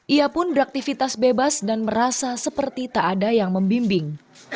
ia pun beraktivitas bebas dan merasa seperti tak ada yang membimbing